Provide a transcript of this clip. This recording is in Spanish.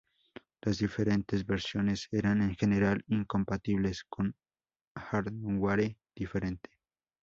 Las diferentes versiones eran en general incompatibles con hardware diferente.